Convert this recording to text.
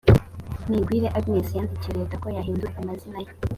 nigwire agnes yandikiye leta ko yahindura amazina ye